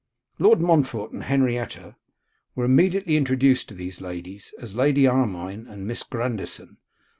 Lord Montfort and Henrietta were immediately introduced to these ladies, as Lady Armine and Miss Grandison.